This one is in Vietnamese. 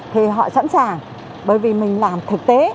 thì họ sẵn sàng bởi vì mình làm thực tế